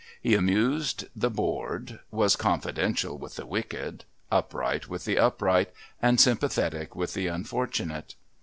He amused the bored, was confidential with the wicked, upright with the upright, and sympathetic with the unfortunate.